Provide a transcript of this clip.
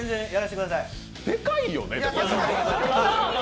でかいよね。